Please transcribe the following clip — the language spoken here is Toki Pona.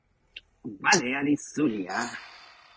waleja li suli a!